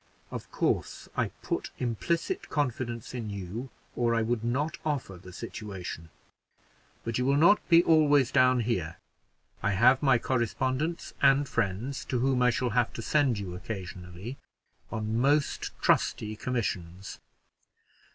Of course, I put implicit confidence in you, or I would not offer the situation. But you will not be always down here: I have my correspondents and friends, to whom I shall have to send you occasionally on most trusty missions.